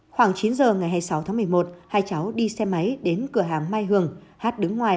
khoảng chín giờ ngày hai mươi sáu tháng một mươi một hai cháu đi xe máy đến cửa hàng mai hường